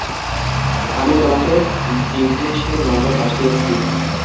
আমি তোমাকে বিঘ্নেশের নম্বর পাঠিয়েছি।